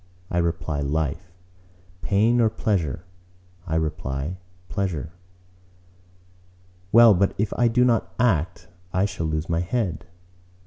I reply, Life. Pain or pleasure? I reply, Pleasure." "Well, but if I do not act, I shall lose my head."